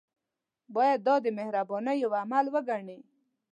باید دا د مهربانۍ یو عمل وګڼي.